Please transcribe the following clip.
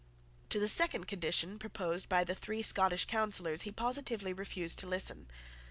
To the second condition proposed by the three Scottish Councillors he positively refused to listen.